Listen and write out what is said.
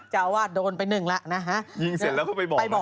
จะเอาว่าโดนไปเนึ่งนะฮะ